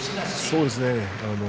そうですね。